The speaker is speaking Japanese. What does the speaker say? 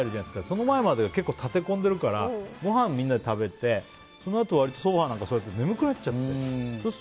その前まで結構立て込んでるからごはんみんなで食べて、そのあと眠くなっちゃうんです。